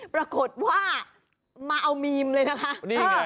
ปรากฏว่ามาเอามีมเลยนะคะ